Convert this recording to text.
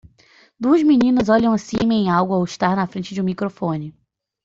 Duas meninas olham acima em algo ao estar na frente de um microfone.